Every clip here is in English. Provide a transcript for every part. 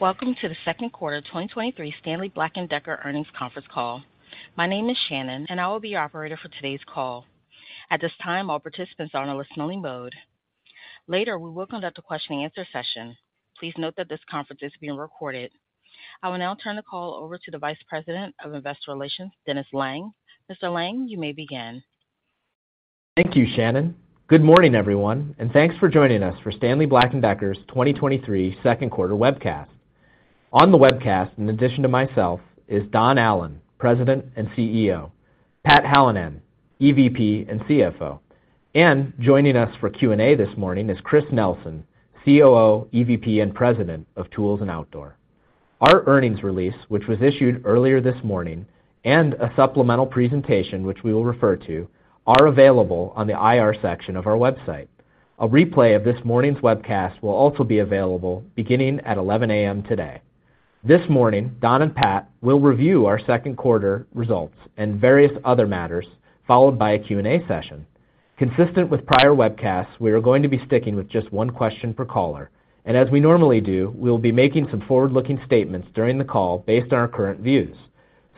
Welcome to the second quarter 2023 Stanley Black & Decker earnings conference call. My name is Shannon, I will be your operator for today's call. At this time, all participants are on a listening mode. Later, we will conduct a question-and-answer session. Please note that this conference is being recorded. I will now turn the call over to the Vice President of Investor Relations, Dennis Lange. Mr. Lange, you may begin. Thank you, Shannon. Good morning, everyone, and thanks for joining us for Stanley Black & Decker's 2023 second quarter webcast. On the webcast, in addition to myself, is Don Allan, President and CEO, Pat Hallinan, EVP and CFO. Joining us for Q&A this morning is Chris Nelson, COO, EVP, and President of Tools and Outdoor. Our earnings release, which was issued earlier this morning, and a supplemental presentation, which we will refer to, are available on the IR section of our website. A replay of this morning's webcast will also be available beginning at 11:00 A.M. today. This morning, Don and Pat will review our second quarter results and various other matters, followed by a Q&A session. Consistent with prior webcasts, we are going to be sticking with just 1 question per caller, and as we normally do, we'll be making some forward-looking statements during the call based on our current views.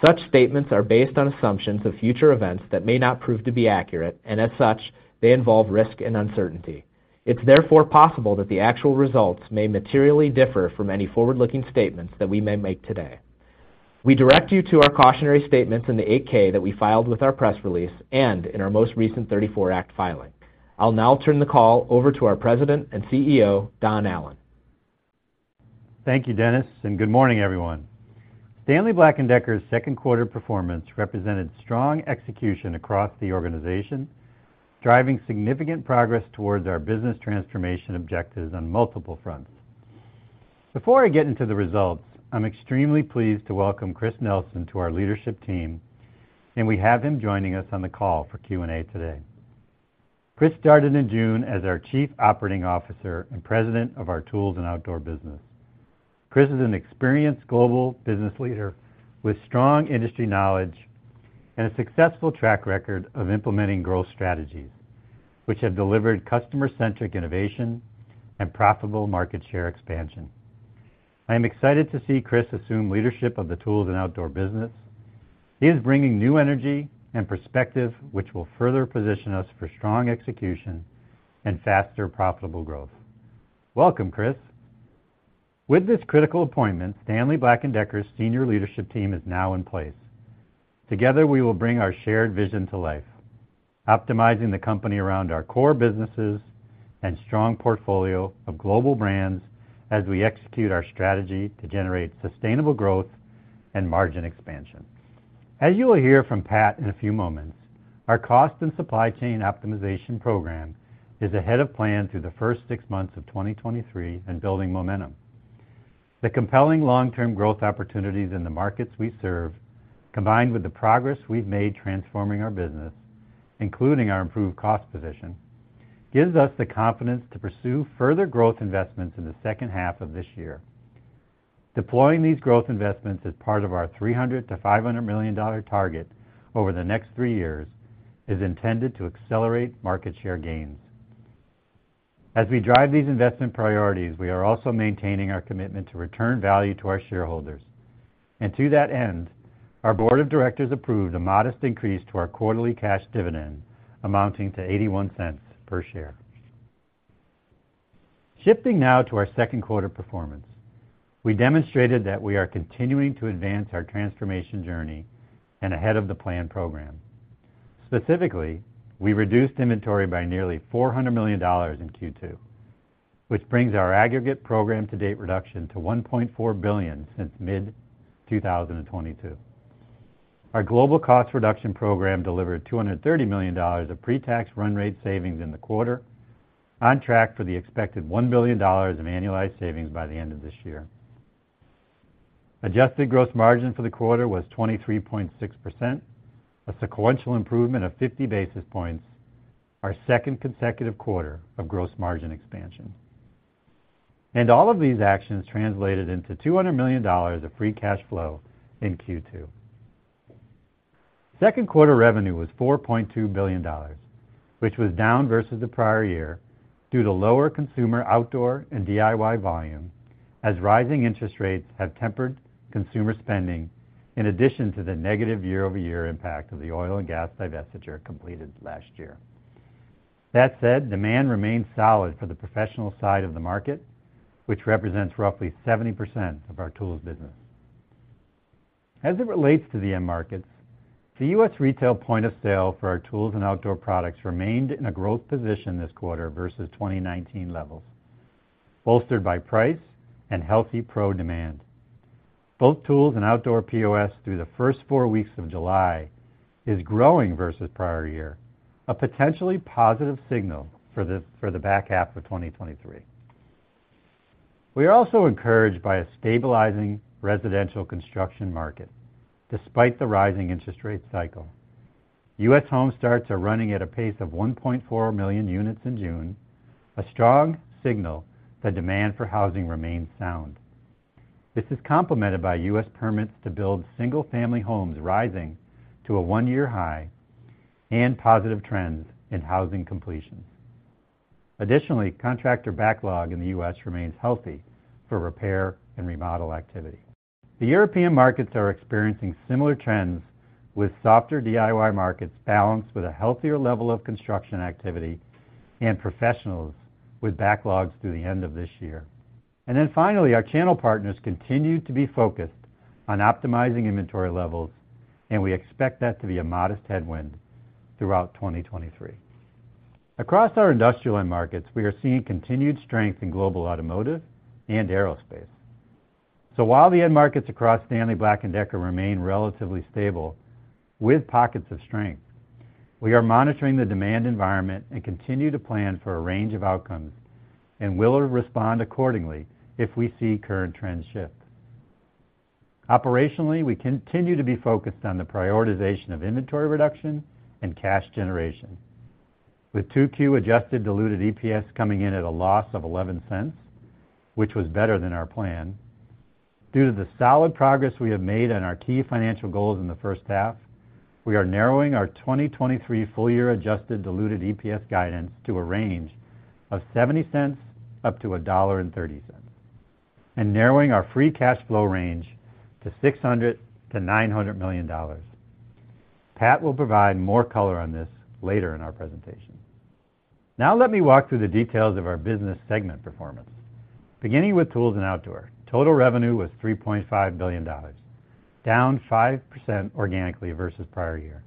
Such statements are based on assumptions of future events that may not prove to be accurate, and as such, they involve risk and uncertainty. It's therefore possible that the actual results may materially differ from any forward-looking statements that we may make today. We direct you to our cautionary statements in the 8-K that we filed with our press release and in our most recent 34 Act filing. I'll now turn the call over to our President and CEO, Don Allan. Thank you, Dennis, and good morning, everyone. Stanley Black & Decker's second quarter performance represented strong execution across the organization, driving significant progress towards our business transformation objectives on multiple fronts. Before I get into the results, I'm extremely pleased to welcome Chris Nelson to our leadership team, and we have him joining us on the call for Q&A today. Chris started in June as our Chief Operating Officer and President of our Tools and Outdoor business. Chris is an experienced global business leader with strong industry knowledge and a successful track record of implementing growth strategies, which have delivered customer-centric innovation and profitable market share expansion. I am excited to see Chris assume leadership of the Tools and Outdoor business. He is bringing new energy and perspective, which will further position us for strong execution and faster profitable growth. Welcome, Chris. With this critical appointment, Stanley Black & Decker's senior leadership team is now in place. Together, we will bring our shared vision to life, optimizing the company around our core businesses and strong portfolio of global brands as we execute our strategy to generate sustainable growth and margin expansion. As you will hear from Pat in a few moments, our cost and supply chain optimization program is ahead of plan through the first six months of 2023 and building momentum. The compelling long-term growth opportunities in the markets we serve, combined with the progress we've made transforming our business, including our improved cost position, gives us the confidence to pursue further growth investments in the second half of this year. Deploying these growth investments as part of our $300 million-$500 million target over the next three years is intended to accelerate market share gains. As we drive these investment priorities, we are also maintaining our commitment to return value to our shareholders. To that end, our board of directors approved a modest increase to our quarterly cash dividend, amounting to $0.81 per share. Shifting now to our second quarter performance, we demonstrated that we are continuing to advance our transformation journey and ahead of the plan program. Specifically, we reduced inventory by nearly $400 million in Q2, which brings our aggregate program to date reduction to $1.4 billion since mid-2022. Our global cost reduction program delivered $230 million of pre-tax run rate savings in the quarter, on track for the expected $1 billion in annualized savings by the end of this year. Adjusted gross margin for the quarter was 23.6%, a sequential improvement of 50 basis points, our second consecutive quarter of gross margin expansion. All of these actions translated into $200 million of free cash flow in Q2. Second quarter revenue was $4.2 billion, which was down versus the prior year due to lower consumer, outdoor, and DIY volume, as rising interest rates have tempered consumer spending, in addition to the negative year-over-year impact of the oil and gas divestiture completed last year. That said, demand remains solid for the professional side of the market, which represents roughly 70% of our tools business. As it relates to the end markets, the US retail point of sale for our tools and outdoor products remained in a growth position this quarter versus 2019 levels, bolstered by price and healthy pro demand. Both Tools & Outdoor POS through the first 4 weeks of July is growing versus prior year, a potentially positive signal for the, for the back half of 2023. We are also encouraged by a stabilizing residential construction market, despite the rising interest rate cycle. U.S. home starts are running at a pace of 1.4 million units in June, a strong signal that demand for housing remains sound. This is complemented by U.S. permits to build single-family homes rising to a 1-year high and positive trends in housing completions. Additionally, contractor backlog in the U.S. remains healthy for repair and remodel activity. The European markets are experiencing similar trends, with softer DIY markets balanced with a healthier level of construction activity and professionals with backlogs through the end of this year. Then finally, our channel partners continue to be focused on optimizing inventory levels, and we expect that to be a modest headwind throughout 2023. Across our industrial end markets, we are seeing continued strength in global automotive and aerospace. While the end markets across Stanley Black & Decker remain relatively stable with pockets of strength, we are monitoring the demand environment and continue to plan for a range of outcomes, and will respond accordingly if we see current trends shift. Operationally, we continue to be focused on the prioritization of inventory reduction and cash generation, with 2Q adjusted diluted EPS coming in at a loss of $0.11, which was better than our plan. Due to the solid progress we have made on our key financial goals in the first half, we are narrowing our 2023 full year adjusted diluted EPS guidance to a range of $0.70 up to $1.30, and narrowing our free cash flow range to $600 million-$900 million. Pat will provide more color on this later in our presentation. Let me walk through the details of our business segment performance. Beginning with Tools & Outdoor, total revenue was $3.5 billion, down 5% organically versus prior year,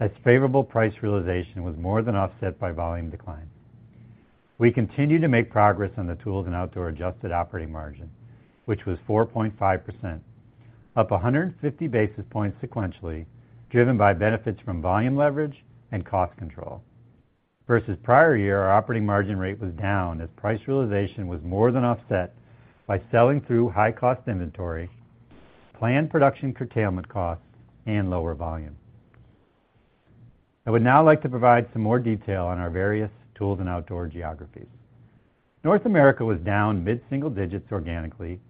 as favorable price realization was more than offset by volume decline. We continue to make progress on the Tools & Outdoor adjusted operating margin, which was 4.5%, up 150 basis points sequentially, driven by benefits from volume leverage and cost control. Versus prior year, our operating margin rate was down as price realization was more than offset by selling through high cost inventory, planned production curtailment costs, and lower volume. I would now like to provide some more detail on our various Tools & Outdoor geographies. North America was down mid-single digits organically,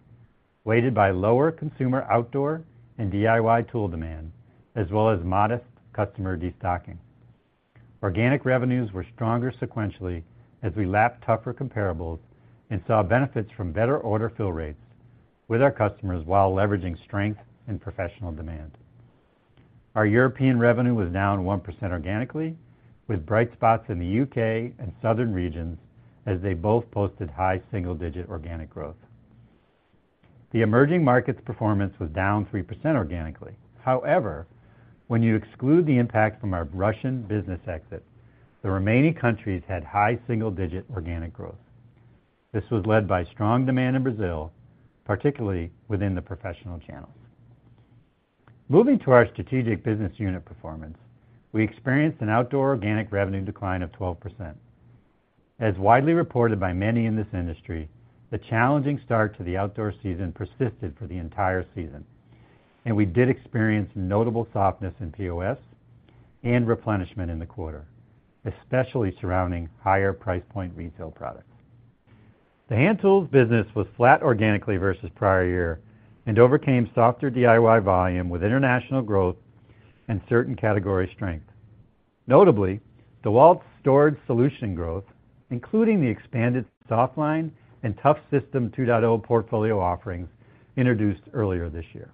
weighted by lower consumer outdoor and DIY tool demand, as well as modest customer destocking. Organic revenues were stronger sequentially as we lapped tougher comparables and saw benefits from better order fill rates with our customers while leveraging strength and professional demand. Our European revenue was down 1% organically, with bright spots in the U.K. and southern regions, as they both posted high single-digit organic growth. The emerging markets performance was down 3% organically. However, when you exclude the impact from our Russian business exit, the remaining countries had high single-digit organic growth. This was led by strong demand in Brazil, particularly within the professional channels. Moving to our strategic business unit performance, we experienced an outdoor organic revenue decline of 12%. As widely reported by many in this industry, the challenging start to the outdoor season persisted for the entire season, and we did experience notable softness in POS and replenishment in the quarter, especially surrounding higher price point retail products. The hand tools business was flat organically versus prior year and overcame softer DIY volume with international growth and certain category strength. Notably, DEWALT's storage solution growth, including the expanded soft storage and TOUGHSYSTEM 2.0 portfolio offerings introduced earlier this year.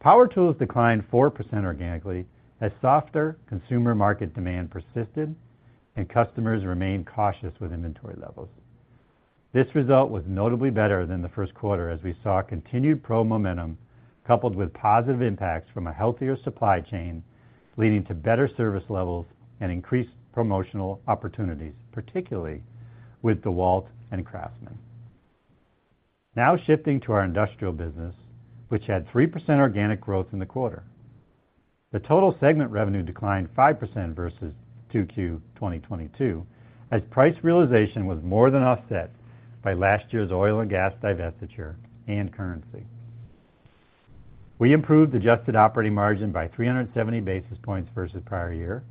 Power Tools declined 4% organically as softer consumer market demand persisted and customers remained cautious with inventory levels. This result was notably better than the first quarter, as we saw continued pro momentum coupled with positive impacts from a healthier supply chain, leading to better service levels and increased promotional opportunities, particularly with DEWALT and CRAFTSMAN. Now shifting to our industrial business, which had 3% organic growth in the quarter. The total segment revenue declined 5% versus 2Q 2022, as price realization was more than offset by last year's oil and gas divestiture and currency. We improved adjusted operating margin by 370 basis points versus prior year,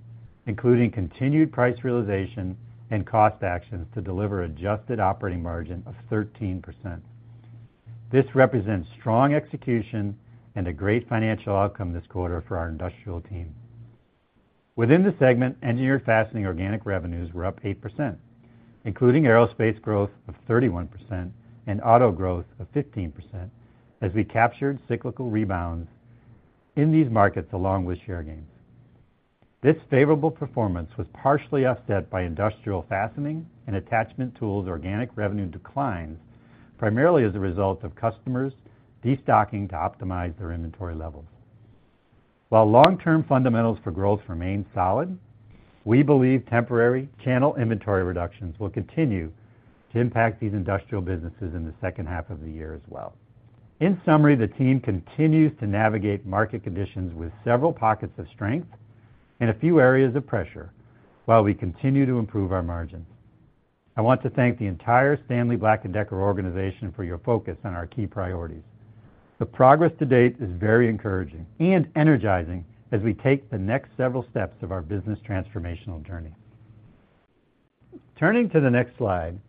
including continued price realization and cost actions to deliver adjusted operating margin of 13%. This represents strong execution and a great financial outcome this quarter for our industrial team. Within the segment, Engineered Fastening organic revenues were up 8%, including aerospace growth of 31% and auto growth of 15%, as we captured cyclical rebounds in these markets along with share gains. This favorable performance was partially offset by industrial fastening and attachment tools organic revenue declines, primarily as a result of customers destocking to optimize their inventory levels. While long-term fundamentals for growth remain solid, we believe temporary channel inventory reductions will continue to impact these industrial businesses in the second half of the year as well. In summary, the team continues to navigate market conditions with several pockets of strength and a few areas of pressure while we continue to improve our margins. I want to thank the entire Stanley Black & Decker organization for your focus on our key priorities. The progress to date is very encouraging and energizing as we take the next several steps of our business transformational journey. Turning to the next slide.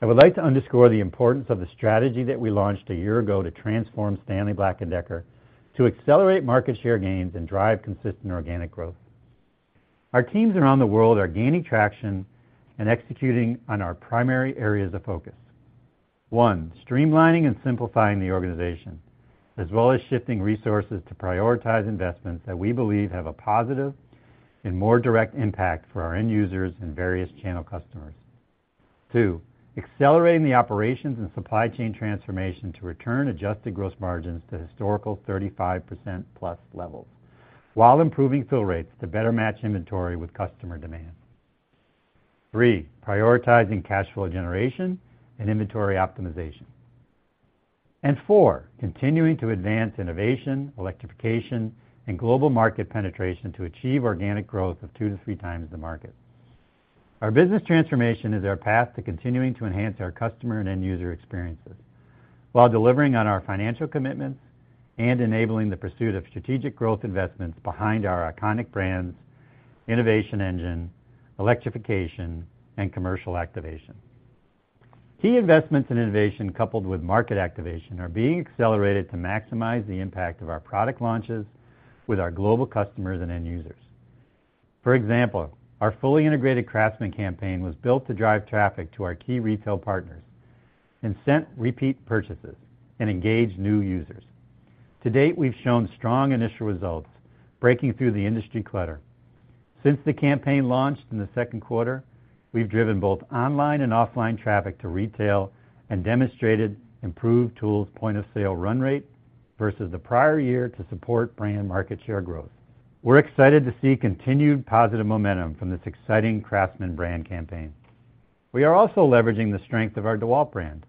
I would like to underscore the importance of the strategy that we launched a year ago to transform Stanley Black & Decker to accelerate market share gains and drive consistent organic growth. Our teams around the world are gaining traction and executing on our primary areas of focus. One, streamlining and simplifying the organization, as well as shifting resources to prioritize investments that we believe have a positive and more direct impact for our end users and various channel customers. Two, accelerating the operations and supply chain transformation to return adjusted gross margins to historical 35%+ levels, while improving fill rates to better match inventory with customer demand. Three, prioritizing cash flow generation and inventory optimization. Four, continuing to advance innovation, electrification, and global market penetration to achieve organic growth of 2-3 times the market. Our business transformation is our path to continuing to enhance our customer and end user experiences, while delivering on our financial commitments and enabling the pursuit of strategic growth investments behind our iconic brands, innovation engine, electrification, and commercial activation. Key investments in innovation, coupled with market activation, are being accelerated to maximize the impact of our product launches with our global customers and end users. For example, our fully integrated CRAFTSMAN campaign was built to drive traffic to our key retail partners, incent repeat purchases, and engage new users. To date, we've shown strong initial results, breaking through the industry clutter. Since the campaign launched in the second quarter, we've driven both online and offline traffic to retail and demonstrated improved tools point of sale run rate versus the prior year to support brand market share growth. We're excited to see continued positive momentum from this exciting CRAFTSMAN brand campaign. We are also leveraging the strength of our DEWALT brand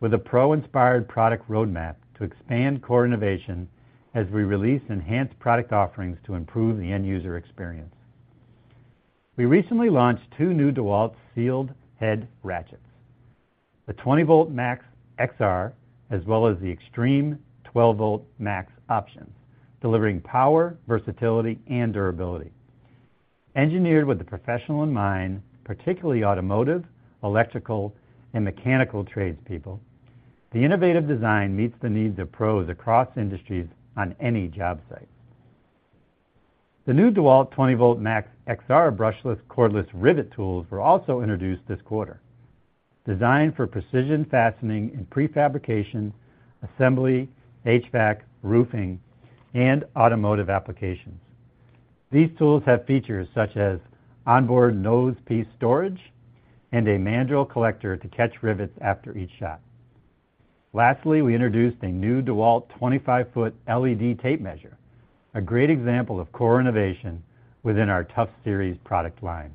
with a pro-inspired product roadmap to expand core innovation as we release enhanced product offerings to improve the end user experience. We recently launched two new DEWALT sealed head ratchets, the 20V MAX* XR, as well as the XTREME 12V MAX* options, delivering power, versatility, and durability. Engineered with the professional in mind, particularly automotive, electrical, and mechanical tradespeople, the innovative design meets the needs of pros across industries on any job site. The new DEWALT 20V MAX* XR brushless cordless rivet tools were also introduced this quarter. Designed for precision fastening and prefabrication, assembly, HVAC, roofing, and automotive applications. These tools have features such as onboard nose piece storage and a mandrel collector to catch rivets after each shot. Lastly, we introduced a new DEWALT 25 foot LED tape measure, a great example of core innovation within our TOUGHSERIES product line.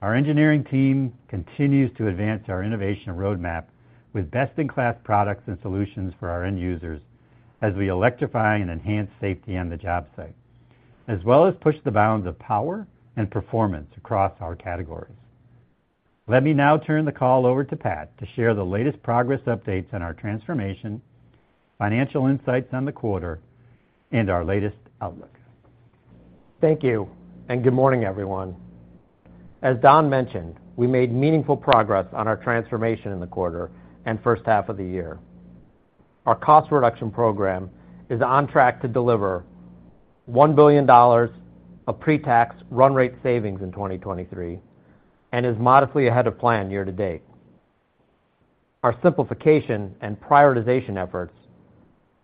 Our engineering team continues to advance our innovation roadmap with best-in-class products and solutions for our end users as we electrify and enhance safety on the job site, as well as push the bounds of power and performance across our categories. Let me now turn the call over to Pat to share the latest progress updates on our transformation, financial insights on the quarter, and our latest outlook. Thank you, and good morning, everyone. As Don mentioned, we made meaningful progress on our transformation in the quarter and first half of the year. Our cost reduction program is on track to deliver $1 billion of pre-tax run rate savings in 2023, and is modestly ahead of plan year to date. Our simplification and prioritization efforts,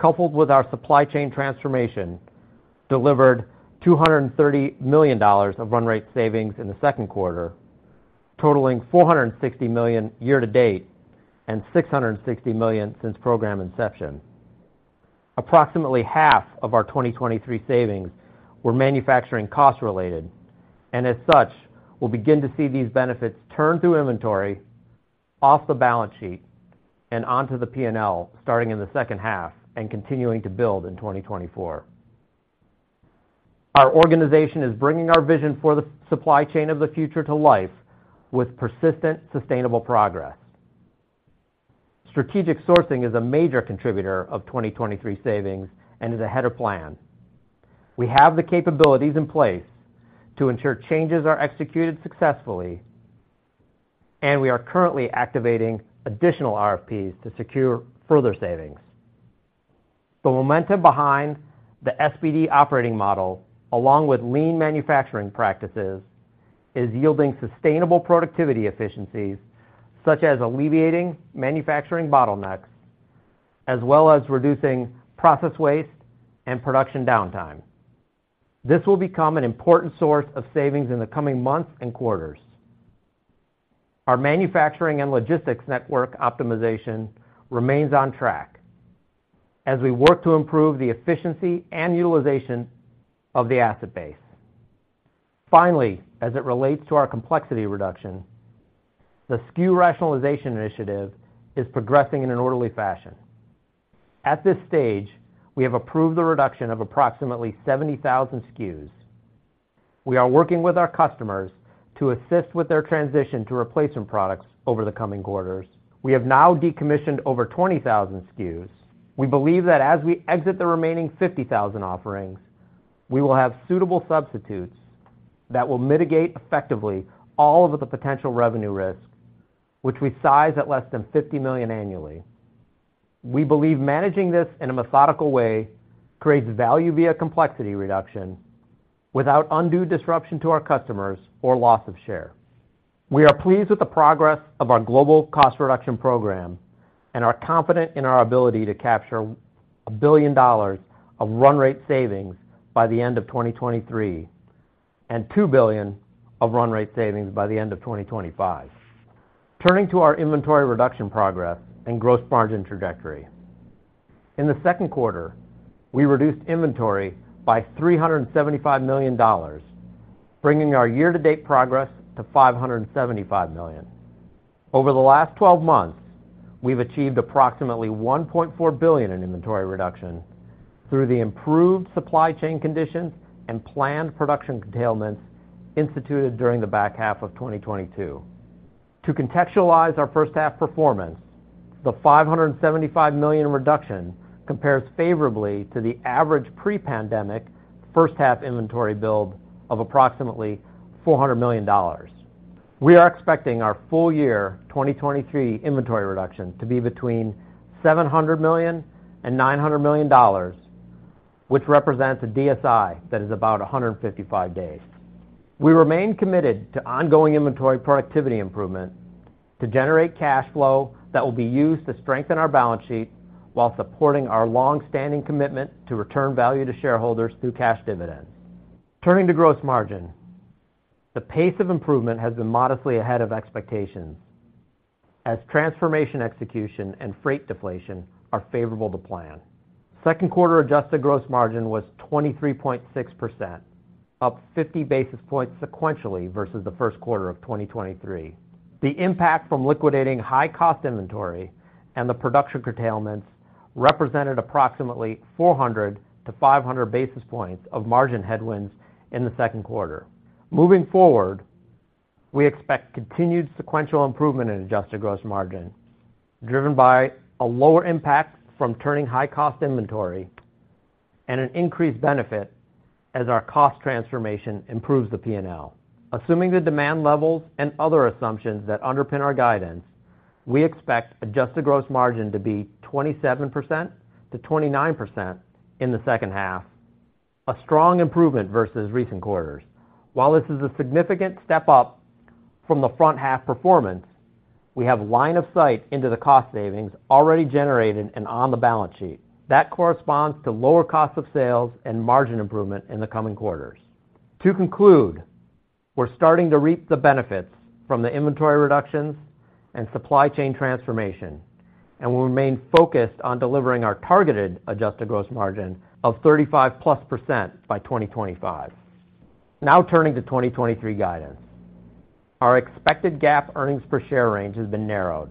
coupled with our supply chain transformation, delivered $230 million of run rate savings in the second quarter, totaling $460 million year to date, and $660 million since program inception. Approximately half of our 2023 savings were manufacturing cost related, and as such, we'll begin to see these benefits turn through inventory off the balance sheet and onto the P&L starting in the second half and continuing to build in 2024. Our organization is bringing our vision for the supply chain of the future to life with persistent, sustainable progress. Strategic sourcing is a major contributor of 2023 savings and is ahead of plan. We have the capabilities in place to ensure changes are executed successfully, and we are currently activating additional RFPs to secure further savings. The momentum behind the SBD Operating Model, along with lean manufacturing practices, is yielding sustainable productivity efficiencies, such as alleviating manufacturing bottlenecks, as well as reducing process waste and production downtime. This will become an important source of savings in the coming months and quarters. Our manufacturing and logistics network optimization remains on track as we work to improve the efficiency and utilization of the asset base. Finally, as it relates to our complexity reduction, the SKU rationalization initiative is progressing in an orderly fashion. At this stage, we have approved the reduction of approximately 70,000 SKUs. We are working with our customers to assist with their transition to replacement products over the coming quarters. We have now decommissioned over 20,000 SKUs. We believe that as we exit the remaining 50,000 offerings. We will have suitable substitutes that will mitigate effectively all of the potential revenue risk, which we size at less than $50 million annually. We believe managing this in a methodical way creates value via complexity reduction without undue disruption to our customers or loss of share. We are pleased with the progress of our global cost reduction program, and are confident in our ability to capture $1 billion of run rate savings by the end of 2023, and $2 billion of run rate savings by the end of 2025. Turning to our inventory reduction progress and gross margin trajectory. In the second quarter, we reduced inventory by $375 million, bringing our year-to-date progress to $575 million. Over the last 12 months, we've achieved approximately $1.4 billion in inventory reduction through the improved supply chain conditions and planned production curtailments instituted during the back half of 2022. To contextualize our first half performance, the $575 million reduction compares favorably to the average pre-pandemic first half inventory build of approximately $400 million. We are expecting our full year 2023 inventory reduction to be between $700 million and $900 million, which represents a DSI that is about 155 days. We remain committed to ongoing inventory productivity improvement to generate cash flow that will be used to strengthen our balance sheet, while supporting our long-standing commitment to return value to shareholders through cash dividends. Turning to gross margin. The pace of improvement has been modestly ahead of expectations, as transformation execution and freight deflation are favorable to plan. Second quarter adjusted gross margin was 23.6%, up 50 basis points sequentially versus the first quarter of 2023. The impact from liquidating high-cost inventory and the production curtailments represented approximately 400-500 basis points of margin headwinds in the second quarter. Moving forward, we expect continued sequential improvement in adjusted gross margin, driven by a lower impact from turning high-cost inventory and an increased benefit as our cost transformation improves the P&L. Assuming the demand levels and other assumptions that underpin our guidance, we expect adjusted gross margin to be 27%-29% in the second half, a strong improvement versus recent quarters. While this is a significant step up from the front half performance, we have line of sight into the cost savings already generated and on the balance sheet. That corresponds to lower cost of sales and margin improvement in the coming quarters. To conclude, we're starting to reap the benefits from the inventory reductions and supply chain transformation, and we'll remain focused on delivering our targeted adjusted gross margin of 35%+ by 2025. Turning to 2023 guidance. Our expected GAAP earnings per share range has been narrowed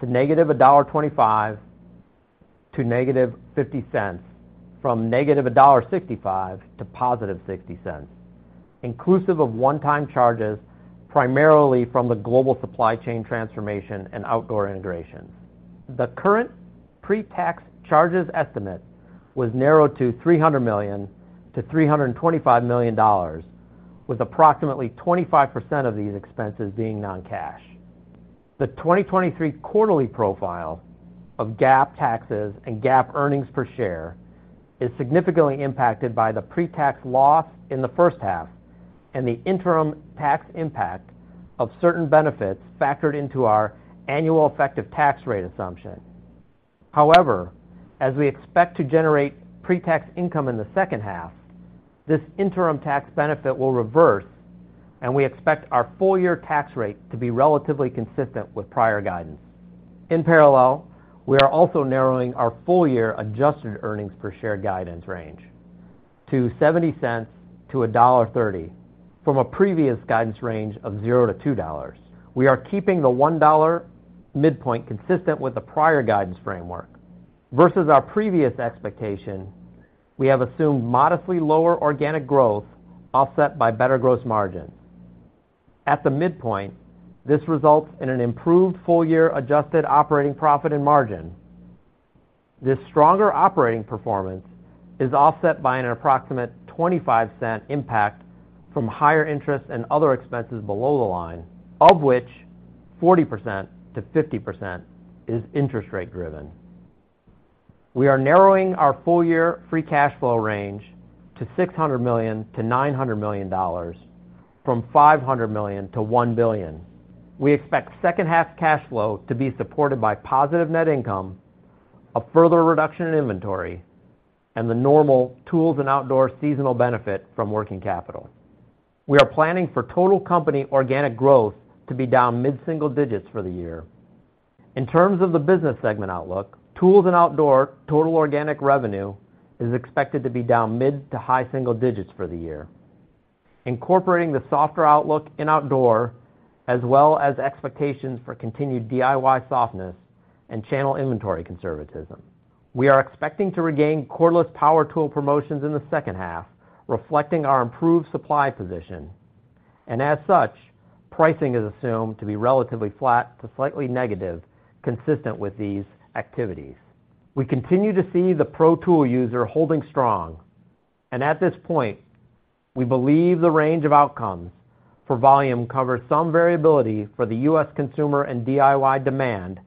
to -$1.25-(-$0.50), from -$1.65-$0.60, inclusive of one-time charges, primarily from the global supply chain transformation and outdoor integration. The current pre-tax charges estimate was narrowed to $300 million-$325 million, with approximately 25% of these expenses being non-cash. The 2023 quarterly profile of GAAP taxes and GAAP earnings per share is significantly impacted by the pre-tax loss in the first half and the interim tax impact of certain benefits factored into our annual effective tax rate assumption. However, as we expect to generate pre-tax income in the second half, this interim tax benefit will reverse, and we expect our full year tax rate to be relatively consistent with prior guidance. In parallel, we are also narrowing our full year adjusted earnings per share guidance range to $0.70-$1.30, from a previous guidance range of $0-$2. We are keeping the $1 midpoint consistent with the prior guidance framework. Versus our previous expectation, we have assumed modestly lower organic growth, offset by better gross margin. At the midpoint, this results in an improved full year adjusted operating profit and margin. This stronger operating performance is offset by an approximate $0.25 impact from higher interest and other expenses below the line, of which 40%-50% is interest rate driven. We are narrowing our full year free cash flow range to $600 million-$900 million, from $500 million-$1 billion. We expect second half cash flow to be supported by positive net income, a further reduction in inventory, and the normal Tools & Outdoor seasonal benefit from working capital. We are planning for total company organic growth to be down mid-single digits for the year. In terms of the business segment outlook, Tools & Outdoor total organic revenue is expected to be down mid to high single digits for the year, incorporating the softer outlook in outdoor, as well as expectations for continued DIY softness and channel inventory conservatism. We are expecting to regain cordless power tool promotions in the second half, reflecting our improved supply position. As such, pricing is assumed to be relatively flat to slightly negative, consistent with these activities. We continue to see the pro tool user holding strong, and at this point, we believe the range of outcomes for volume covers some variability for the U.S. consumer and DIY demand,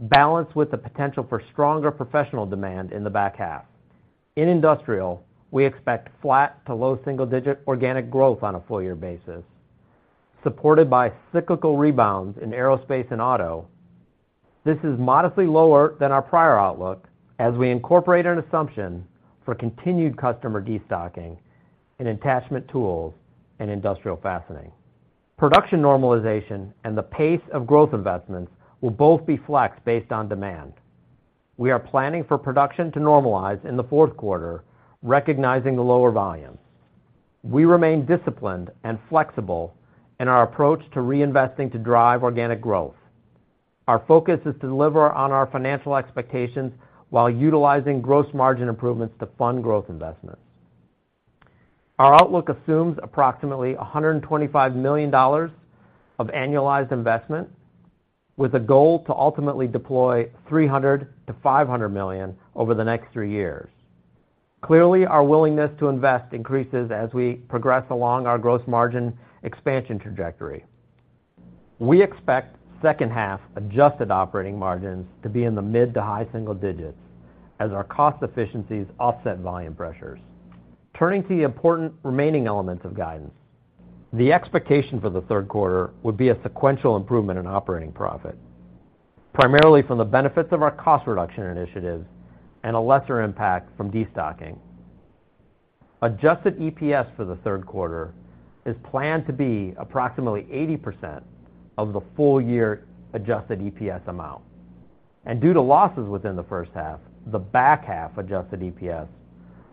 balanced with the potential for stronger professional demand in the back half. In industrial, we expect flat to low single digit organic growth on a full year basis, supported by cyclical rebounds in aerospace and auto. This is modestly lower than our prior outlook as we incorporate an assumption for continued customer destocking in attachment tools and industrial fastening. Production normalization and the pace of growth investments will both be flexed based on demand. We are planning for production to normalize in the fourth quarter, recognizing the lower volumes. We remain disciplined and flexible in our approach to reinvesting to drive organic growth. Our focus is to deliver on our financial expectations while utilizing gross margin improvements to fund growth investments. Our outlook assumes approximately $125 million of annualized investment, with a goal to ultimately deploy $300 million-$500 million over the next 3 years. Clearly, our willingness to invest increases as we progress along our gross margin expansion trajectory. We expect second half adjusted operating margins to be in the mid to high single digits as our cost efficiencies offset volume pressures. Turning to the important remaining elements of guidance, the expectation for the third quarter would be a sequential improvement in operating profit, primarily from the benefits of our cost reduction initiatives and a lesser impact from destocking. Adjusted EPS for the third quarter is planned to be approximately 80% of the full year adjusted EPS amount, and due to losses within the first half, the back half adjusted EPS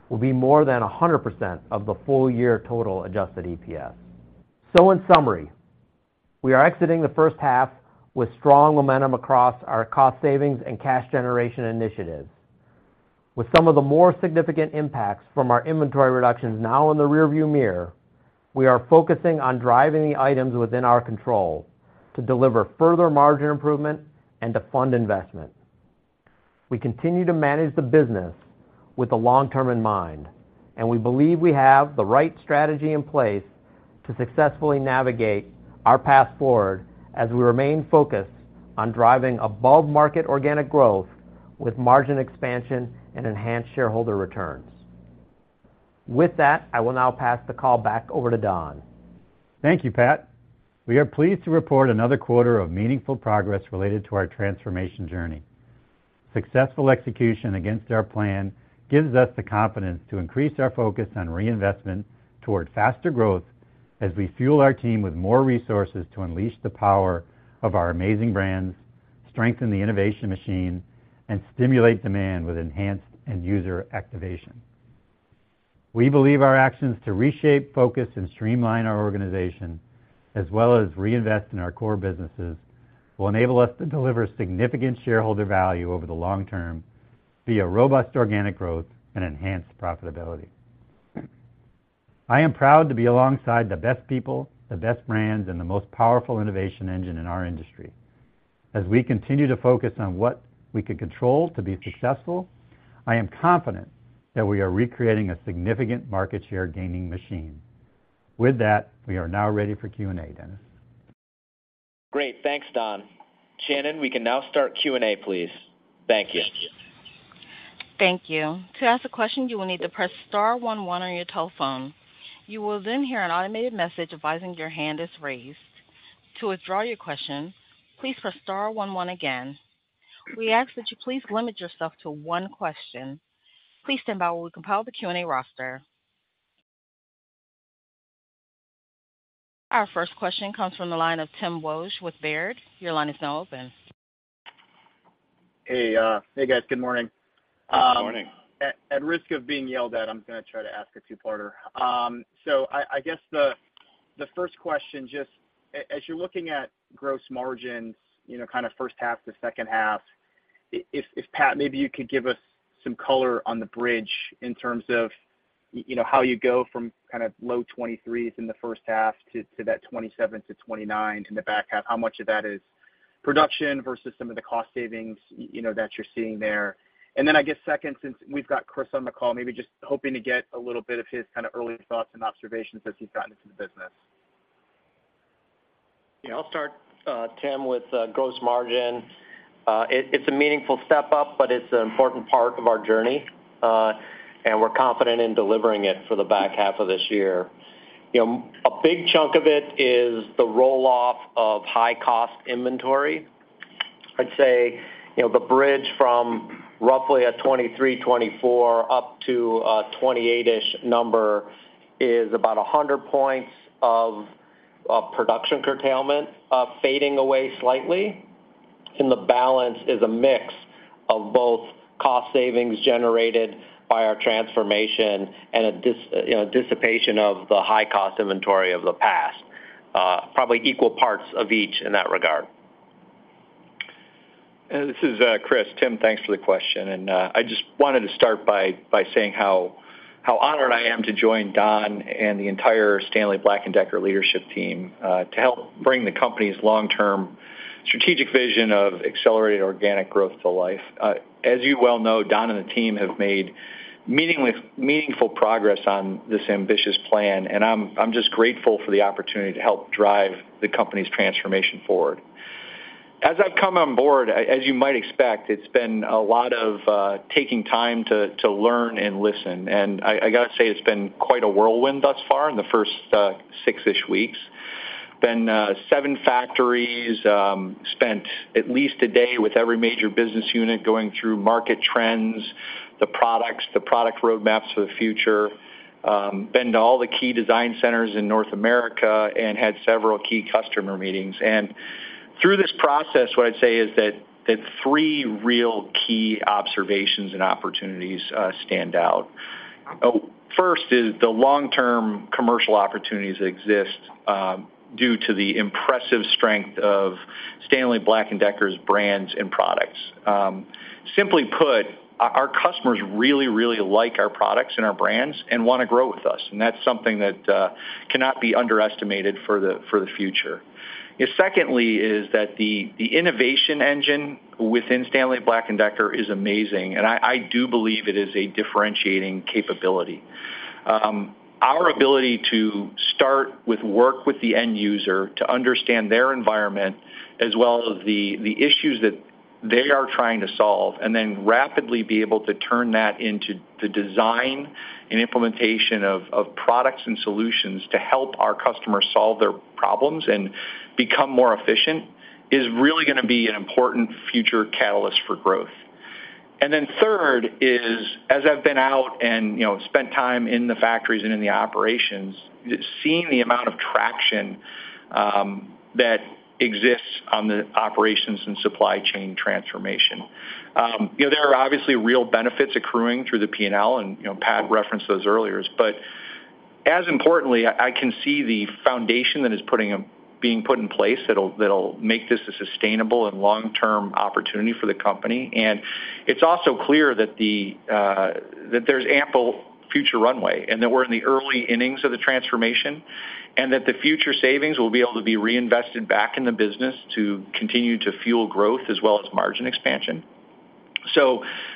will be more than 100% of the full year total adjusted EPS. In summary, we are exiting the first half with strong momentum across our cost savings and cash generation initiatives. With some of the more significant impacts from our inventory reductions now in the rearview mirror, we are focusing on driving the items within our control to deliver further margin improvement and to fund investment. We continue to manage the business with the long term in mind, and we believe we have the right strategy in place to successfully navigate our path forward as we remain focused on driving above market organic growth with margin expansion and enhanced shareholder returns. With that, I will now pass the call back over to Don. Thank you, Pat. We are pleased to report another quarter of meaningful progress related to our transformation journey. Successful execution against our plan gives us the confidence to increase our focus on reinvestment toward faster growth as we fuel our team with more resources to unleash the power of our amazing brands, strengthen the innovation machine, and stimulate demand with enhanced end user activation. We believe our actions to reshape, focus, and streamline our organization, as well as reinvest in our core businesses, will enable us to deliver significant shareholder value over the long term via robust organic growth and enhanced profitability. I am proud to be alongside the best people, the best brands, and the most powerful innovation engine in our industry. As we continue to focus on what we can control to be successful, I am confident that we are recreating a significant market share gaining machine. With that, we are now ready for Q&A. Dennis? Great. Thanks, Don. Shannon, we can now start Q&A, please. Thank you. Thank you. To ask a question, you will need to press star one, one on your telephone. You will then hear an automated message advising your hand is raised. To withdraw your question, please press star one, one again. We ask that you please limit yourself to one question. Please stand by while we compile the Q&A roster. Our first question comes from the line of Tim Wojs with Baird. Your line is now open. Hey, hey, guys. Good morning. Good morning. At, at risk of being yelled at, I'm gonna try to ask a 2-parter. I, I guess the, the first question, just as you're looking at gross margins, you know, kind of first half to second half, if Pat, maybe you could give us some color on the bridge in terms of, you know, how you go from kind of low 23s in the first half to, to that 27-29 in the back half, how much of that is production versus some of the cost savings, you know, that you're seeing there? Then, I guess, second, since we've got Chris on the call, maybe just hoping to get a little bit of his kind of early thoughts and observations as he's gotten into the business. Yeah, I'll start, Tim, with gross margin. It's a meaningful step up, but it's an important part of our journey, and we're confident in delivering it for the back half of this year. You know, a big chunk of it is the roll-off of high-cost inventory. I'd say, you know, the bridge from roughly a 23, 24 up to a 28-ish number is about 100 points of production curtailment, of fading away slightly, and the balance is a mix of both cost savings generated by our transformation and a dis- you know, dissipation of the high-cost inventory of the past. Probably equal parts of each in that regard. This is Chris. Tim, thanks for the question. I just wanted to start by saying how honored I am to join Don and the entire Stanley Black & Decker leadership team to help bring the company's long-term strategic vision of accelerated organic growth to life. As you well know, Don and the team have made meaningful progress on this ambitious plan, and I'm just grateful for the opportunity to help drive the company's transformation forward. As I've come on board, as you might expect, it's been a lot of taking time to learn and listen, and I gotta say, it's been quite a whirlwind thus far in the first six-ish weeks. Been 7 factories, spent at least a day with every major business unit going through market trends, the products, the product roadmaps for the future, been to all the key design centers in North America and had several key customer meetings. Through this process, what I'd say is that, that 3 real key observations and opportunities stand out. First is the long-term commercial opportunities that exist due to the impressive strength of Stanley Black & Decker's brands and products. Simply put, our, our customers really, really like our products and our brands and want to grow with us, and that's something that cannot be underestimated for the, for the future. Secondly is that the, the innovation engine within Stanley Black & Decker is amazing, and I, I do believe it is a differentiating capability. Our ability to start with work with the end user to understand their environment, as well as the, the issues that they are trying to solve, and then rapidly be able to turn that into the design and implementation of, of products and solutions to help our customers solve their problems and become more efficient, is really gonna be an important future catalyst for growth. Third is, as I've been out and, you know, spent time in the factories and in the operations, seeing the amount of traction that exists on the operations and supply chain transformation. You know, there are obviously real benefits accruing through the P&L, and, you know, Pat referenced those earlier. As importantly, I, I can see the foundation that is putting them-- being put in place that'll, that'll make this a sustainable and long-term opportunity for the company. It's also clear that the, that there's ample future runway, and that we're in the early innings of the transformation, and that the future savings will be able to be reinvested back in the business to continue to fuel growth as well as margin expansion.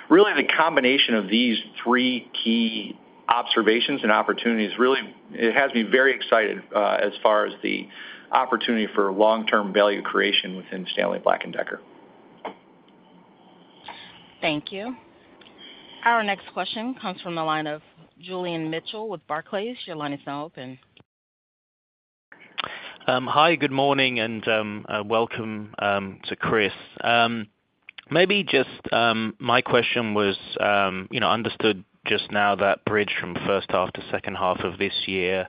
Really, the combination of these 3 key observations and opportunities, really, it has me very excited, as far as the opportunity for long-term value creation within Stanley Black & Decker. Thank you. Our next question comes from the line of Julian Mitchell with Barclays. Your line is now open. Hi, good morning, and welcome to Chris. Maybe just, my question was, you know, understood just now that bridge from first half to second half of this year,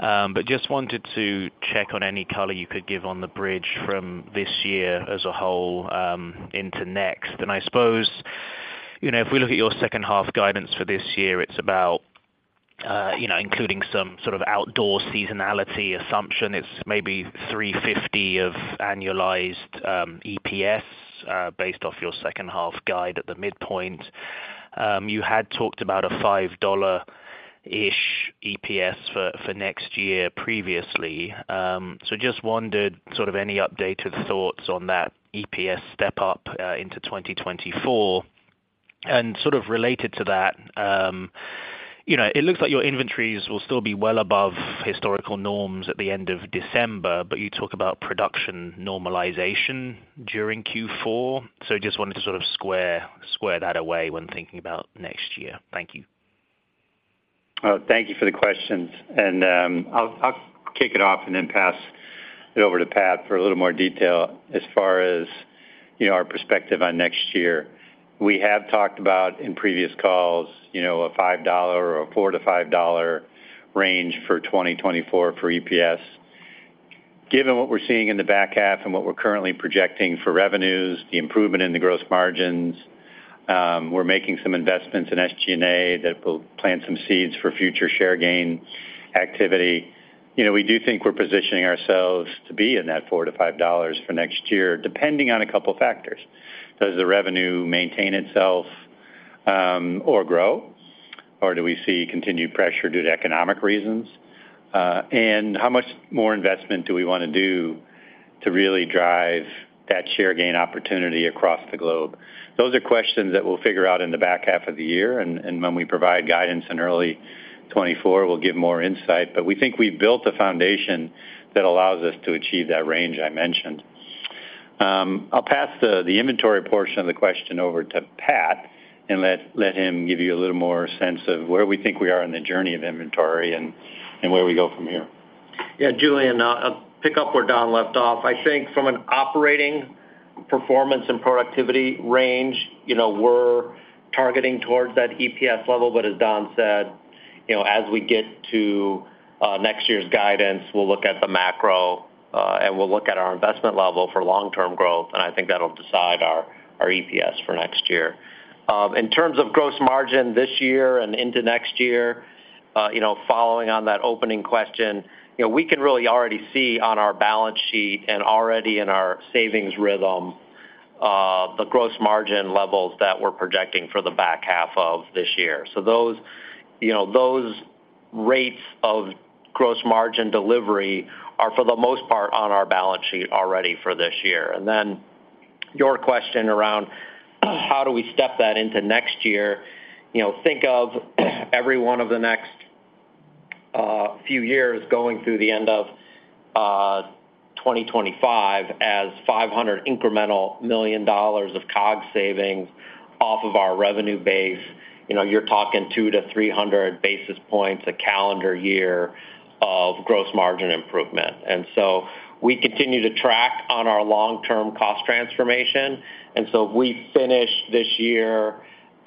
but just wanted to check on any color you could give on the bridge from this year as a whole into next. I suppose, you know, if we look at your second half guidance for this year, it's about, you know, including some sort of outdoor seasonality assumption, it's maybe $3.50 of annualized EPS based off your second half guide at the midpoint. You had talked about a $5-ish EPS for next year previously. Just wondered, sort of any updated thoughts on that EPS step up into 2024? Sort of related to that, you know, it looks like your inventories will still be well above historical norms at the end of December, but you talk about production normalization during Q4. Just wanted to sort of square that away when thinking about next year. Thank you. Well, thank you for the questions. I'll, I'll kick it off and then pass it over to Pat for a little more detail as far as, you know, our perspective on next year. We have talked about, in previous calls, you know, a $5 or a $4-$5 range for 2024 for EPS. Given what we're seeing in the back half and what we're currently projecting for revenues, the improvement in the gross margins, we're making some investments in SG&A that will plant some seeds for future share gain activity. You know, we do think we're positioning ourselves to be in that $4-$5 for next year, depending on a couple factors. Does the revenue maintain itself, or grow, or do we see continued pressure due to economic reasons? How much more investment do we want to do to really drive that share gain opportunity across the globe? Those are questions that we'll figure out in the back half of the year, and when we provide guidance in early 2024, we'll give more insight. We think we've built a foundation that allows us to achieve that range I mentioned. I'll pass the, the inventory portion of the question over to Pat and let him give you a little more sense of where we think we are in the journey of inventory and where we go from here. Yeah, Julian, I'll, I'll pick up where Don left off. I think from an operating performance and productivity range, you know, we're targeting towards that EPS level. As Don said, you know, as we get to next year's guidance, we'll look at the macro, and we'll look at our investment level for long-term growth, and I think that'll decide our, our EPS for next year. In terms of gross margin this year and into next year, you know, following on that opening question, you know, we can really already see on our balance sheet and already in our savings rhythm, the gross margin levels that we're projecting for the back half of this year. Those, you know, those rates of gross margin delivery are, for the most part, on our balance sheet already for this year. Then your question around, how do we step that into next year? You know, think of every one of the next few years going through the end of 2025, as $500 million incremental dollars of COG savings off of our revenue base. You know, you're talking 200-300 basis points, a calendar year of gross margin improvement. So we continue to track on our long-term cost transformation. So if we finish this year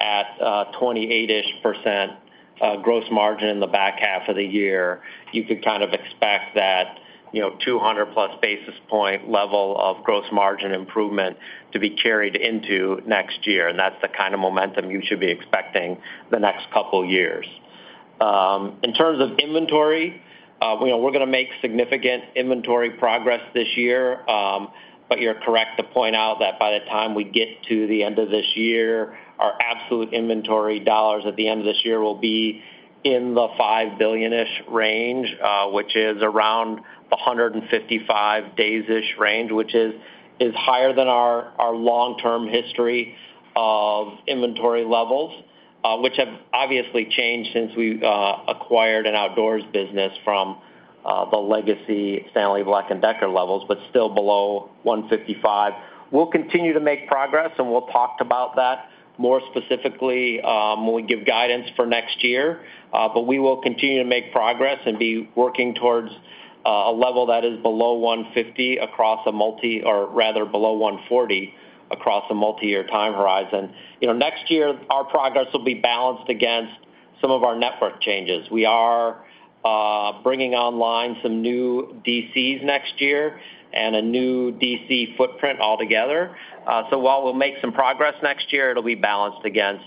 at 28%-ish gross margin in the back half of the year, you could kind of expect that, you know, 200+ basis point level of gross margin improvement to be carried into next year. That's the kind of momentum you should be expecting the next couple of years. In terms of inventory, we know we're gonna make significant inventory progress this year, but you're correct to point out that by the time we get to the end of this year, our absolute inventory dollars at the end of this year will be in the $5 billion-ish range, which is around a 155 days-ish range, which is, is higher than our, our long-term history of inventory levels. Which have obviously changed since we acquired an outdoors business from the legacy Stanley Black & Decker levels, but still below 155. We'll continue to make progress, and we'll talk about that more specifically when we give guidance for next year. We will continue to make progress and be working towards a level that is below 150 across a multi- or rather, below 140 across a multiyear time horizon. You know, next year, our progress will be balanced against some of our network changes. We are bringing online some new DCs next year and a new DC footprint altogether. So while we'll make some progress next year, it'll be balanced against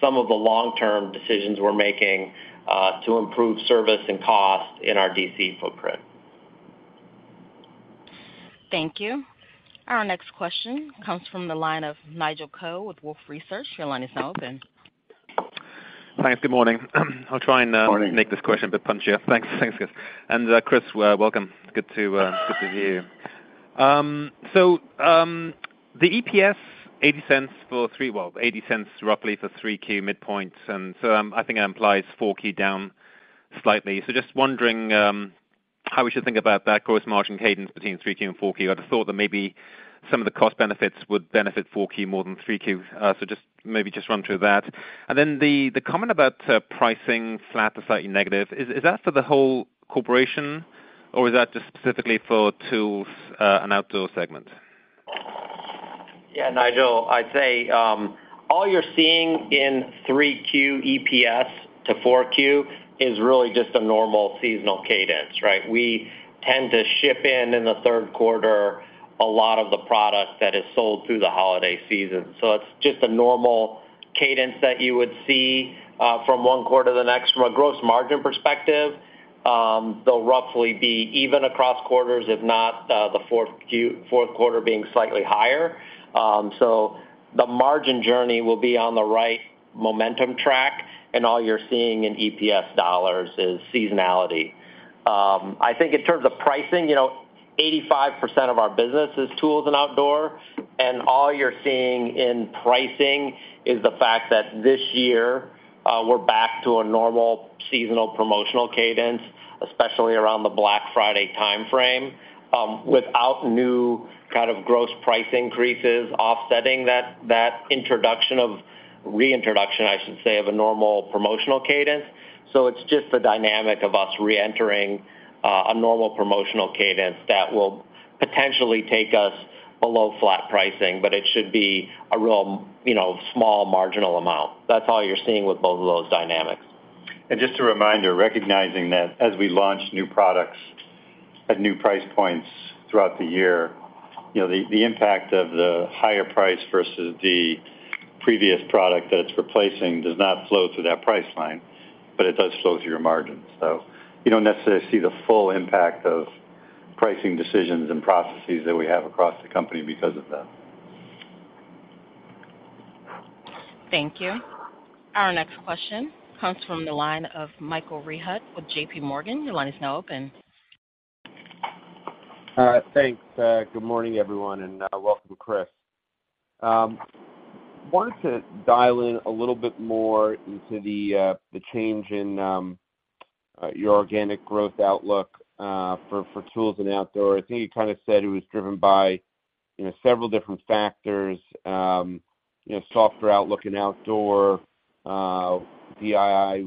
some of the long-term decisions we're making to improve service and cost in our DC footprint. Thank you. Our next question comes from the line of Nigel Coe with Wolfe Research. Your line is now open. Thanks. Good morning. I'll try and. Morning make this question a bit punchier. Thanks. Thanks, guys. Chris, welcome. Good to good to see you. The EPS $0.80 for 3Q. Well, $0.80 roughly for 3Q midpoints, so I think it implies 4Q down slightly. Just wondering how we should think about that gross margin cadence between 3Q and 4Q? I'd thought that maybe some of the cost benefits would benefit 4Q more than 3Q. Just maybe just run through that. Then the, the comment about pricing flat to slightly negative, is, is that for the whole corporation, or is that just specifically for Tools & Outdoor segment? Yeah, Nigel, I'd say, all you're seeing in 3Q EPS to 4Q is really just a normal seasonal cadence, right? We tend to ship in, in the third quarter, a lot of the product that is sold through the holiday season. It's just a normal cadence that you would see, from one quarter to the next. From a gross margin perspective, they'll roughly be even across quarters, if not, the fourth quarter being slightly higher. The margin journey will be on the right momentum track, and all you're seeing in EPS dollars is seasonality. I think in terms of pricing, you know, 85% of our business is Tools & Outdoor, and all you're seeing in pricing is the fact that this year, we're back to a normal seasonal promotional cadence, especially around the Black Friday timeframe, without new kind of gross price increases, offsetting that, that introduction of reintroduction, I should say, of a normal promotional cadence. It's just the dynamic of us reentering a normal promotional cadence that will potentially take us below flat pricing, but it should be a real, you know, small marginal amount. That's all you're seeing with both of those dynamics. Just a reminder, recognizing that as we launch new products at new price points throughout the year, you know, the, the impact of the higher price versus the previous product that it's replacing does not flow through that price line, but it does flow through your margins. You don't necessarily see the full impact of pricing decisions and processes that we have across the company because of that. Thank you. Our next question comes from the line of Michael Rehaut with JPMorgan. Your line is now open. Thanks, good morning, everyone, and welcome, Chris. Wanted to dial in a little bit more into the change in your organic growth outlook for Tools & Outdoor. I think you kind of said it was driven by, you know, several different factors, you know, softer outlook in outdoor, DIY,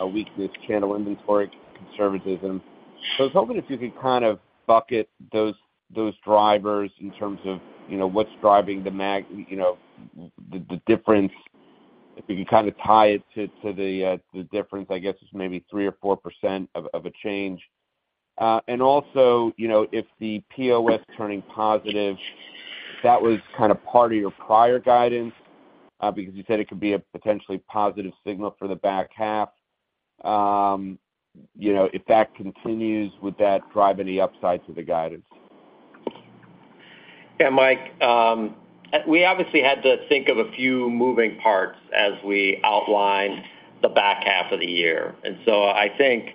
a weakness, channel inventory conservatism. I was hoping if you could kind of bucket those, those drivers in terms of, you know, what's driving the, you know, the difference, if you could kind of tie it to, to the difference, I guess, is maybe 3% or 4% of a change. Also, you know, if the POS turning positive-... That was kind of part of your prior guidance, because you said it could be a potentially positive signal for the back half. You know, if that continues, would that drive any upside to the guidance? Yeah, Michael, we obviously had to think of a few moving parts as we outlined the back half of the year. I think,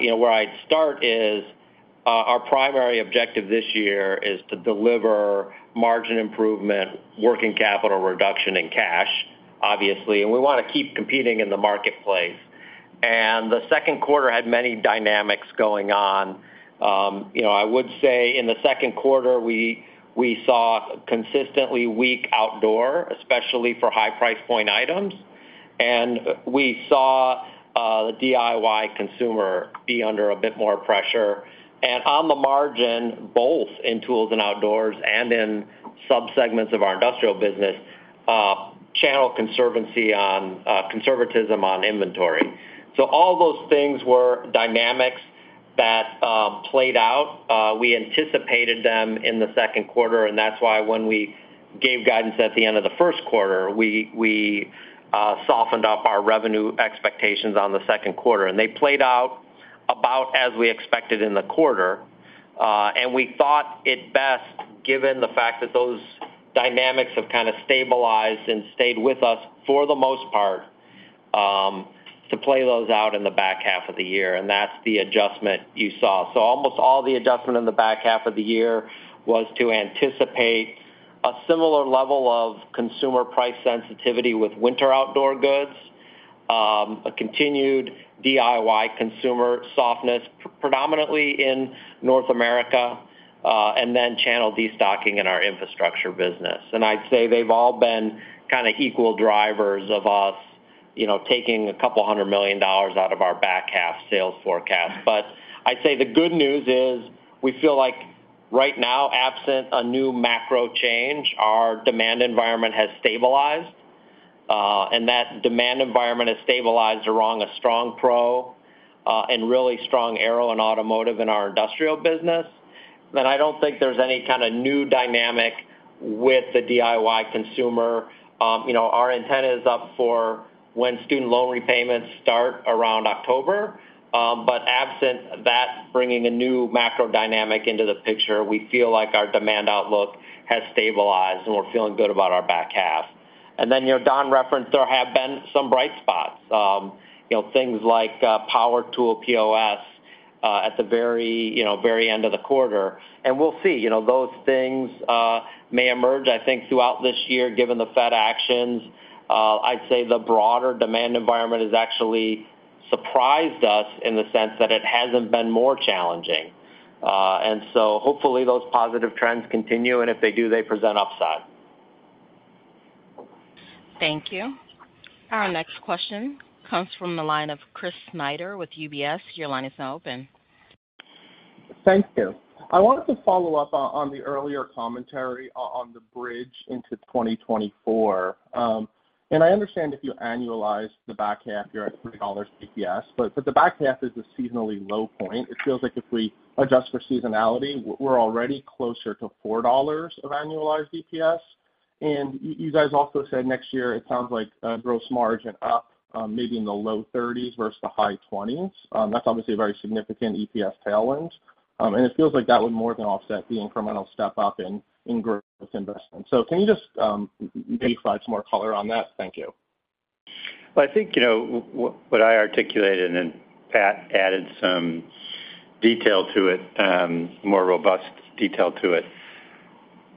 you know, where I'd start is, our primary objective this year is to deliver margin improvement, working capital reduction, and cash, obviously, and we want to keep competing in the marketplace. The second quarter had many dynamics going on. You know, I would say in the second quarter, we, we saw consistently weak Outdoor, especially for high price point items, and we saw the DIY consumer be under a bit more pressure. On the margin, both in Tools & Outdoor and in subsegments of our Industrial business, channel conservancy on conservatism on inventory. All those things were dynamics that played out. We anticipated them in the second quarter, and that's why when we gave guidance at the end of the first quarter, we, we, softened up our revenue expectations on the second quarter. And they played out about as we expected in the quarter. And we thought it best, given the fact that those dynamics have kind of stabilized and stayed with us for the most part, to play those out in the back half of the year, and that's the adjustment you saw. So almost all the adjustment in the back half of the year was to anticipate a similar level of consumer price sensitivity with winter outdoor goods, a continued DIY consumer softness, predominantly in North America, and then channel destocking in our Infrastructure business. I'd say they've all been kind of equal drivers of us, you know, taking $200 million out of our back half sales forecast. I'd say the good news is, we feel like right now, absent a new macro change, our demand environment has stabilized, and that demand environment has stabilized around a strong pro, and really strong aero and automotive in our Industrial business. I don't think there's any kind of new dynamic with the DIY consumer. You know, our antenna is up for when student loan repayments start around October. Absent that, bringing a new macro dynamic into the picture, we feel like our demand outlook has stabilized, and we're feeling good about our back half. You know, Don referenced, there have been some bright spots. You know, things like power tool POS, at the very, you know, very end of the quarter, and we'll see. You know, those things may emerge, I think, throughout this year, given the Fed actions. I'd say the broader demand environment has actually surprised us in the sense that it hasn't been more challenging. So hopefully, those positive trends continue, and if they do, they present upside. Thank you. Our next question comes from the line of Chris Snyder with UBS. Your line is now open. Thank you. I wanted to follow up on, on the earlier commentary on the bridge into 2024. I understand if you annualize the back half, you're at $3 EPS, but, but the back half is a seasonally low point. It feels like if we adjust for seasonality, we're already closer to $4 of annualized EPS. You guys also said next year, it sounds like gross margin up, maybe in the low 30s versus the high 20s. That's obviously a very significant EPS tailwind. It feels like that would more than offset the incremental step up in, in growth investment. Can you just, maybe provide some more color on that? Thank you. Well, I think, you know, what I articulated, and then Pat added some detail to it, more robust detail to it,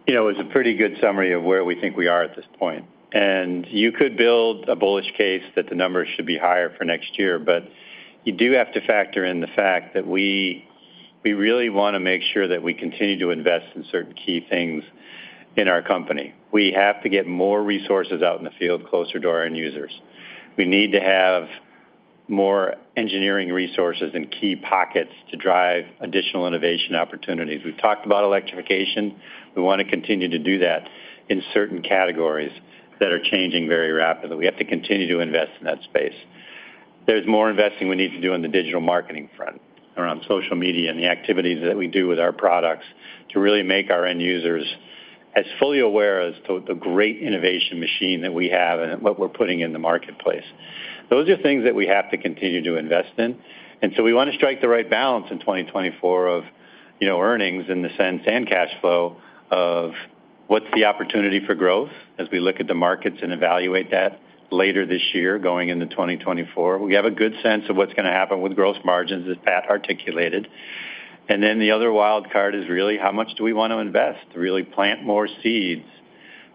you know, is a pretty good summary of where we think we are at this point. And you could build a bullish case that the numbers should be higher for next year, but you do have to factor in the fact that we, we really want to make sure that we continue to invest in certain key things in our company. We have to get more resources out in the field, closer to our end users. We need to have more engineering resources and key pockets to drive additional innovation opportunities. We've talked about electrification. We want to continue to do that in certain categories that are changing very rapidly. We have to continue to invest in that space. There's more investing we need to do on the digital marketing front, around social media and the activities that we do with our products to really make our end users as fully aware as to the great innovation machine that we have and what we're putting in the marketplace. Those are things that we have to continue to invest in, and so we want to strike the right balance in 2024 of, you know, earnings in the sense and cash flow of what's the opportunity for growth as we look at the markets and evaluate that later this year, going into 2024. We have a good sense of what's going to happen with gross margins, as Pat articulated. Then the other wild card is really how much do we want to invest to really plant more seeds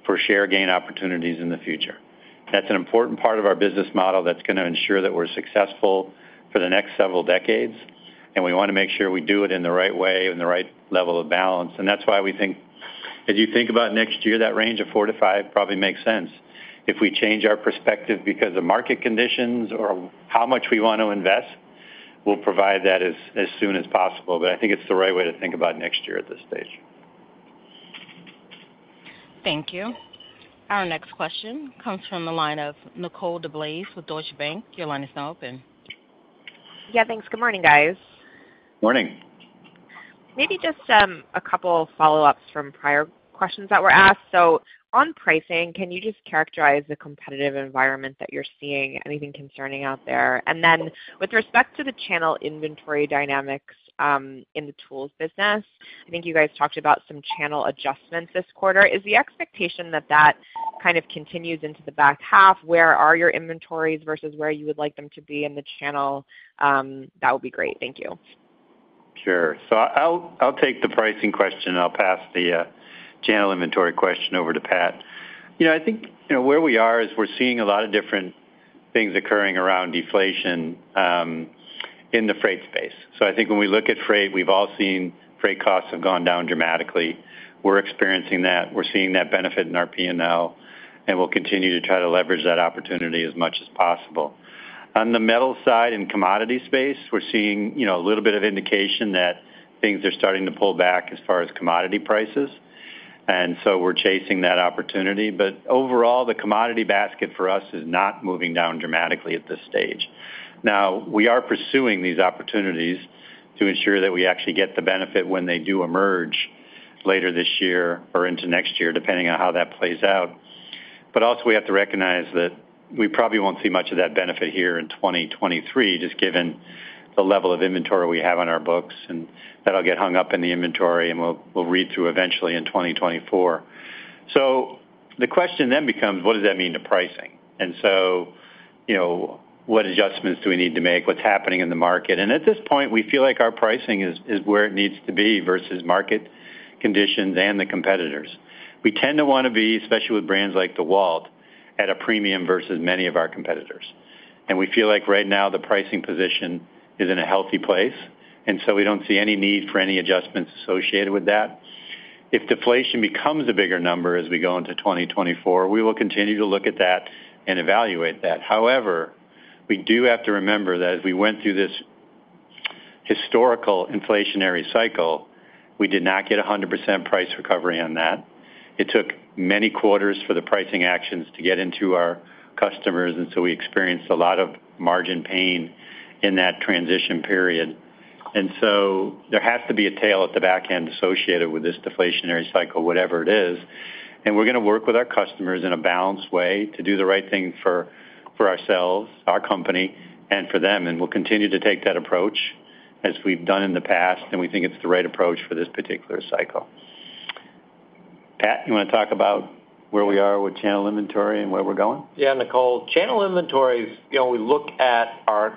for share gain opportunities in the future? That's an important part of our business model that's going to ensure that we're successful for the next several decades, and we want to make sure we do it in the right way and the right level of balance. That's why we think as you think about next year, that range of 4-5 probably makes sense. If we change our perspective because of market conditions or how much we want to invest, we'll provide that as soon as possible. I think it's the right way to think about next year at this stage. Thank you. Our next question comes from the line of Nicole DeBlase with Deutsche Bank. Your line is now open. Yeah, thanks. Good morning, guys. Morning. Maybe just a couple follow-ups from prior questions that were asked. On pricing, can you just characterize the competitive environment that you're seeing? Anything concerning out there? Then with respect to the channel inventory dynamics, in the tools business, I think you guys talked about some channel adjustments this quarter. Is the expectation that that kind of continues into the back half? Where are your inventories versus where you would like them to be in the channel? That would be great. Thank you. Sure. I'll, I'll take the pricing question, and I'll pass the channel inventory question over to Pat. You know, I think, you know, where we are is we're seeing a lot of different things occurring around deflation in the freight space. I think when we look at freight, we've all seen freight costs have gone down dramatically. We're experiencing that. We're seeing that benefit in our P&L, and we'll continue to try to leverage that opportunity as much as possible. On the metal side and commodity space, we're seeing, you know, a little bit of indication that things are starting to pull back as far as commodity prices, and so we're chasing that opportunity. Overall, the commodity basket for us is not moving down dramatically at this stage. Now, we are pursuing these opportunities to ensure that we actually get the benefit when they do emerge later this year or into next year, depending on how that plays out. Also, we have to recognize that we probably won't see much of that benefit here in 2023, just given the level of inventory we have on our books, and that'll get hung up in the inventory, and we'll, we'll read through eventually in 2024. The question then becomes: What does that mean to pricing? You know, what adjustments do we need to make? What's happening in the market? At this point, we feel like our pricing is, is where it needs to be versus market conditions and the competitors. We tend to want to be, especially with brands like DEWALT, at a premium versus many of our competitors. We feel like right now, the pricing position is in a healthy place, and so we don't see any need for any adjustments associated with that. If deflation becomes a bigger number as we go into 2024, we will continue to look at that and evaluate that. However, we do have to remember that as we went through this historical inflationary cycle, we did not get 100% price recovery on that. It took many quarters for the pricing actions to get into our customers, and so we experienced a lot of margin pain in that transition period. There has to be a tail at the back end associated with this deflationary cycle, whatever it is, and we're going to work with our customers in a balanced way to do the right thing for, for ourselves, our company, and for them, and we'll continue to take that approach as we've done in the past, and we think it's the right approach for this particular cycle. Pat, you want to talk about where we are with channel inventory and where we're going? Yeah, Nicole. Channel inventories, you know, we look at our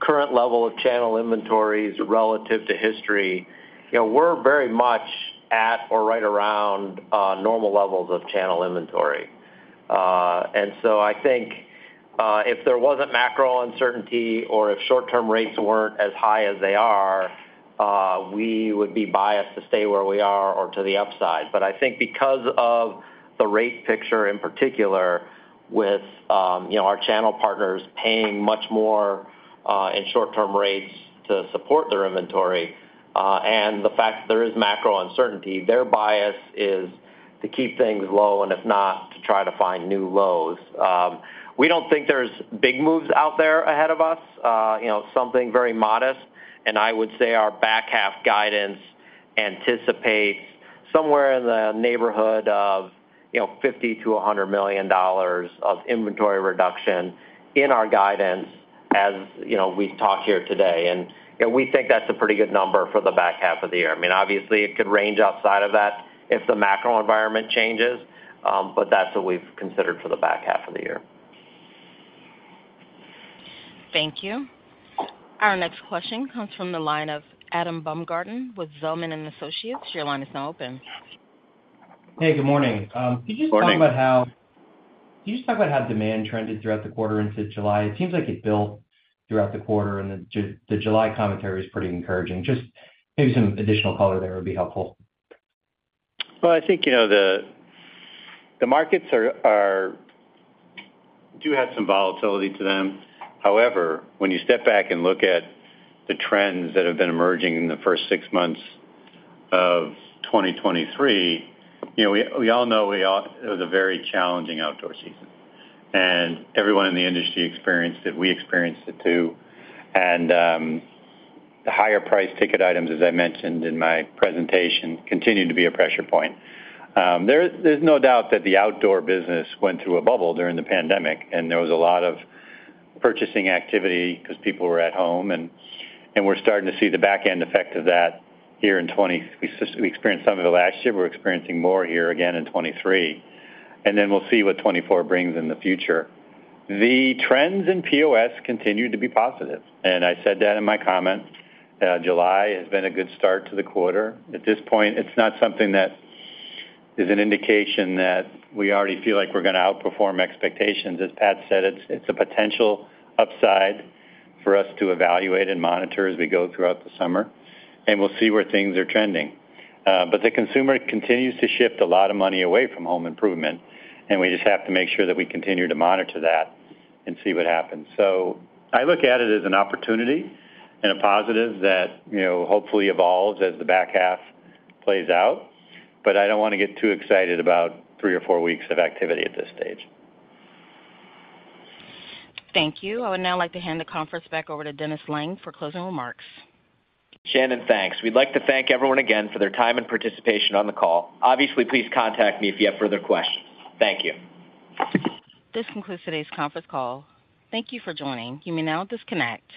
current level of channel inventories relative to history. You know, we're very much at or right around normal levels of channel inventory. So I think if there wasn't macro uncertainty or if short-term rates weren't as high as they are, we would be biased to stay where we are or to the upside. I think because of the rate picture, in particular with, you know, our channel partners paying much more in short-term rates to support their inventory, and the fact that there is macro uncertainty, their bias is to keep things low, and if not, to try to find new lows. We don't think there's big moves out there ahead of us, you know, something very modest, and I would say our back half guidance anticipates somewhere in the neighborhood of, you know, $50 million-$100 million of inventory reduction in our guidance, as, you know, we've talked here today. You know, we think that's a pretty good number for the back half of the year. I mean, obviously, it could range outside of that if the macro environment changes, but that's what we've considered for the back half of the year. Thank you. Our next question comes from the line of Adam Baumgarten with Zelman & Associates. Your line is now open. Hey, good morning. Good morning. Could you just talk about Can you just talk about how demand trended throughout the quarter into July? It seems like it built throughout the quarter, and the J-- the July commentary is pretty encouraging. Just maybe some additional color there would be helpful. Well, I think, you know, the, the markets do have some volatility to them. However, when you step back and look at the trends that have been emerging in the first six months of 2023, you know, we, we all know it was a very challenging outdoor season, and everyone in the industry experienced it. We experienced it, too. The higher price ticket items, as I mentioned in my presentation, continued to be a pressure point. There is, there's no doubt that the outdoor business went through a bubble during the pandemic, and there was a lot of purchasing activity because people were at home, and we're starting to see the back end effect of that here in. We experienced some of it last year. We're experiencing more here again in 2023, and then we'll see what 2024 brings in the future. The trends in POS continue to be positive, and I said that in my comments. July has been a good start to the quarter. At this point, it's not something that is an indication that we already feel like we're going to outperform expectations. As Pat said, it's, it's a potential upside for us to evaluate and monitor as we go throughout the summer, and we'll see where things are trending. The consumer continues to shift a lot of money away from home improvement, and we just have to make sure that we continue to monitor that and see what happens. I look at it as an opportunity and a positive that, you know, hopefully evolves as the back half plays out, but I don't want to get too excited about three or four weeks of activity at this stage. Thank you. I would now like to hand the conference back over to Dennis Lange for closing remarks. Shannon, thanks. We'd like to thank everyone again for their time and participation on the call. Obviously, please contact me if you have further questions. Thank you. This concludes today's conference call. Thank you for joining. You may now disconnect.